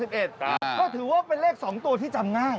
ก็ถือว่าเป็นเลข๒ตัวที่จำง่าย